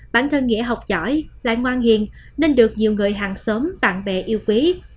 bản thân nghĩa học giỏi lại ngoan hiền nên được nhiều người hàng xóm bạn bè yêu quý